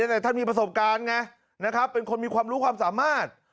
แต่ท่านมีประสบการณ์ไงนะครับเป็นคนมีความรู้ความสามารถ